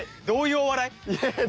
どういうお笑い？